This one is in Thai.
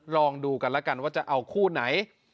ลองดูกันแล้วกันว่าจะเอาคู่ไหน